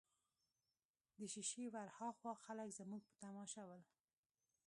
د شېشې ورهاخوا خلک زموږ په تماشه ول.